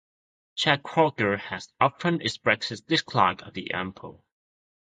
Chad Kroeger has often expressed his dislike of the album.